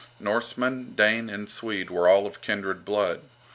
Norseman, Dane, and Swede were all of kindred blood.